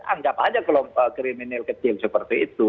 anggap aja kelompok kriminal kecil seperti itu